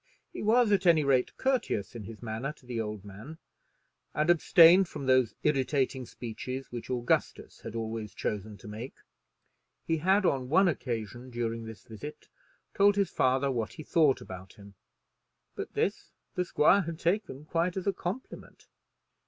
He was, at any rate, courteous in his manner to the old man, and abstained from those irritating speeches which Augustus had always chosen to make. He had on one occasion during this visit told his father what he thought about him, but this the squire had taken quite as a compliment.